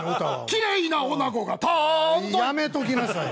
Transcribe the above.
「きれいなおなごがたーんと」やめときなさい！